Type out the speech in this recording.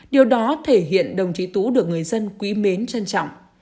điều đó thể hiện đồng chí tú được người dân quý mến trân trọng